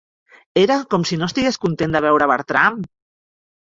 Era com si no estigués content de veure Bertram.